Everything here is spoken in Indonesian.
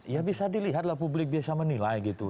ya bisa dilihatlah publik biasa menilai gitu